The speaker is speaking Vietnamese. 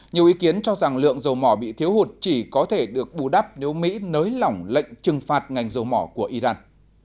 nhiều ý kiến cho rằng lượng dầu mỏ bị thiếu hụt chỉ có thể được bù đắp nếu mỹ nới lỏng lệnh trừng phạt ngành dầu mỏ của iran